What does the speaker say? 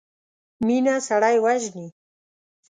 مينه سړی وژني.